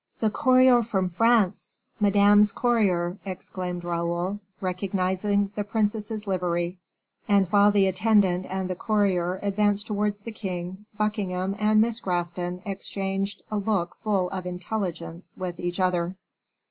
"The courier from France! Madame's courier!" exclaimed Raoul, recognizing the princess's livery; and while the attendant and the courier advanced towards the king, Buckingham and Miss Grafton exchanged a look full of intelligence with each other.